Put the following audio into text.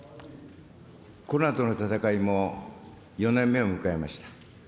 コロナとの闘いも４年目を迎えました。